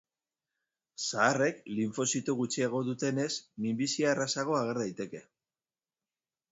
Zaharrek linfozito gutxiago dutenez, minbizia errazago ager daiteke.